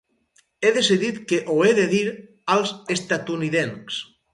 He decidit que ho he de dir als estatunidencs.